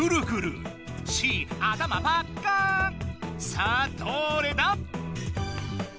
さあどれだ？